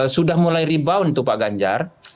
sudah mulai rebound untuk pak ganjar